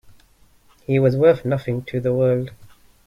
He was worth nothing to the world.